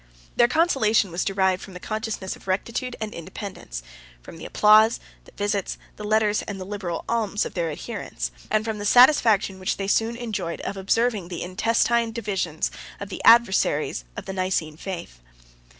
131 Their consolation was derived from the consciousness of rectitude and independence, from the applause, the visits, the letters, and the liberal alms of their adherents, 132 and from the satisfaction which they soon enjoyed of observing the intestine divisions of the adversaries of the Nicene faith.